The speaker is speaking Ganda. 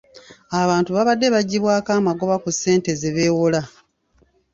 Abantu babadde baggyibwako amagoba ku ssente ze beewola.